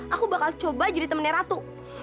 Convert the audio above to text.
aku bakal coba jadi temannya ratu